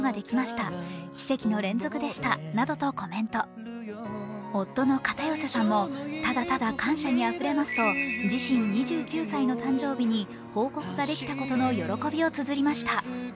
土屋さんは夫の片寄さんもただただ感謝にあふれますと自身２９歳の誕生日に報告ができたことの喜びをつづりました。